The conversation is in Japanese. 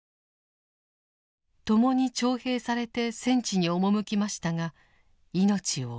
ともに徴兵されて戦地に赴きましたが命を落としました。